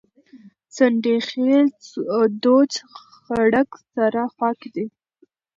ځنډيخيل دوچ غړک سره خواکی دي